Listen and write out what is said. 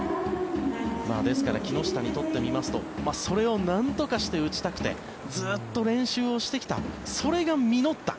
ですから、木下にとってみますとそれをなんとかして打ちたくてずっと練習をしてきたそれが実った。